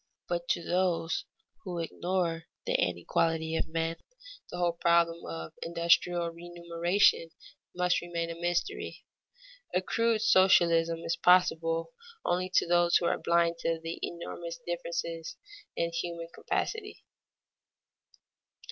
But to those who ignore the inequality of men, the whole problem of industrial remuneration must remain a mystery. A crude socialism is possible only to those who are blind to the enormous differences in human capacity.